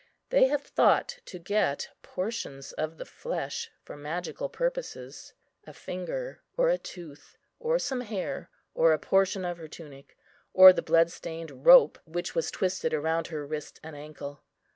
They have thought to get portions of the flesh for magical purposes; a finger, or a tooth, or some hair, or a portion of her tunic, or the blood stained rope which was twisted round her wrist and ankle.